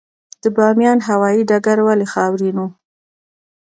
د بامیان هوايي ډګر ولې خاورین و؟